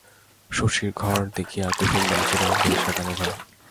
শশীর ঘর দেখিয়া কুসুম বলিয়াছিল, বেশ সাজানো ঘর।